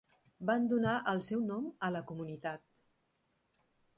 Van donar el seu nom a la comunitat.